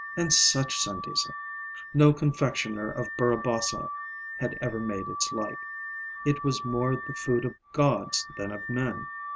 And such sandesa! No confectioner of Burra Bazar ever made its like. It was more the food of gods than of men.